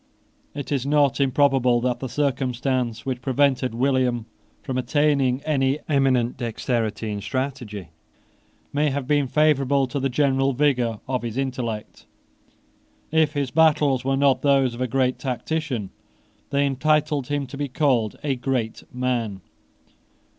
It is not improbable that the circumstance which prevented William from attaining any eminent dexterity in strategy may have been favourable to the general vigour of his intellect. If his battles were not those of a great tactician, they entitled him to be called a great man.